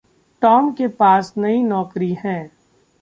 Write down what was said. Tom के पास नयी नौकरी है।